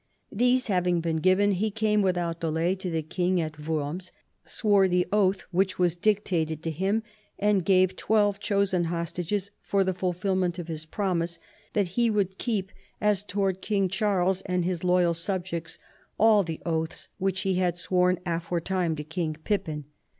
These having been given, he came without delay to the king at Worms, swore the oath which was dictated to him, and gave twelve chosen hostages for the fulfilment of his promise that he would keep as towards King Charles and his loyal subjects all the oaths which he had sworn aforetime to King Pippin.